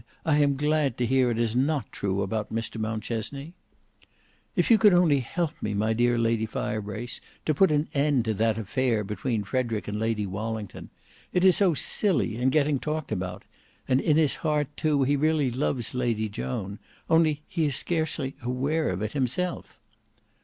I am glad to hear it is not true about Mr Mountchesney." "If you could only help me, my dear Lady Firebrace, to put an end to that affair between Frederick and Lady Wallington. It is so silly, and getting talked about; and in his heart too he really loves Lady Joan; only he is scarcely aware of it himself."